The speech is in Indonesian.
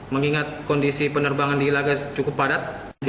mengingat kondisi penerbangan di ilaga cukup padat